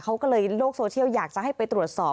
เขาก็เลยโลกโซเชียลอยากจะให้ไปตรวจสอบ